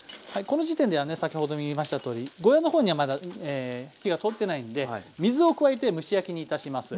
この時点ではね先ほども言いましたとおりゴーヤーの方にはまだ火が通ってないんで水を加えて蒸し焼きにいたします。